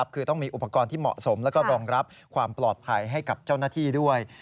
คือต้องมีอุปกรณ์ที่เหมาะสมแล้วก็รองรับความปลอดภัยให้กับเจ้าหน้าที่ด้วย